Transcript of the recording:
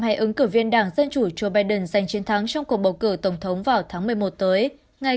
hai ứng cử viên đảng dân chủ joe biden giành chiến thắng trong cuộc bầu cử tổng thống vào tháng một mươi một tới ngay